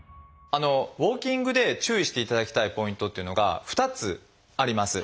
ウォーキングで注意していただきたいポイントっていうのが２つあります。